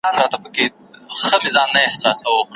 ما به څه غوښتای له نظمه ما به څه غوښتای له درده